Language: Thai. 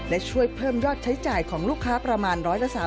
และช่วยเพิ่มยอดใช้จ่ายของลูกค้าประมาณ๑๓๐